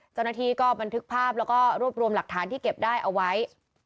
เจ้าหน้าที่ก็บันทึกภาพแล้วก็รวบรวมหลักฐานที่เก็บได้เอาไว้